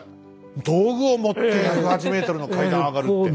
道具を持って１０８ｍの階段上がるって！